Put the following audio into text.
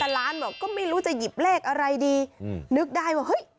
ล้านบอกก็ไม่รู้จะหยิบเลขอะไรดีนึกได้ว่าเฮ้ย